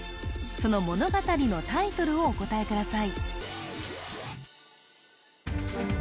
その物語のタイトルをお答えください